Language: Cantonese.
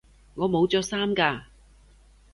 我冇着衫㗎